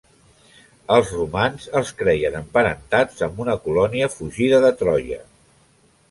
Els romans els creien emparentats amb una colònia fugida de Troia.